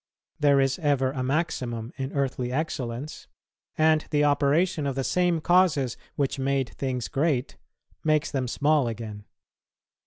There is ever a maximum in earthly excellence, and the operation of the same causes which made things great makes them small again.